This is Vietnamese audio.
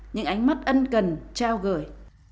những ánh mắt ân cần trao gửi